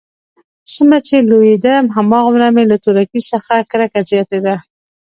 څومره چې لوېيدم هماغومره مې له تورکي څخه کرکه زياتېدله.